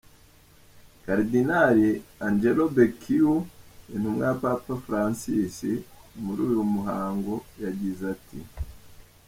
Karidinali Angelo Becciu, intumwa ya Papa Francis muri uwo muhango, yagize ati:.